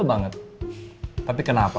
banget tapi kenapa